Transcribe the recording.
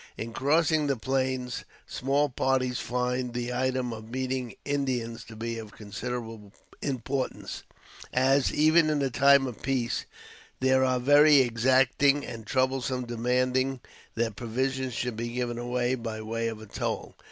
In crossing the plains, small parties find the item of meeting Indians to be of considerable importance, as, even in the time of peace, they are very exacting and troublesome, demanding that provisions should be given them, by way of toll.